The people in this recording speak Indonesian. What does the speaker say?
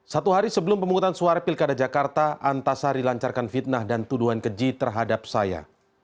satu hari sebelum pemungutan suara pilkada jakarta antasari lancarkan fitnah dan tuduhan keji terhadap saya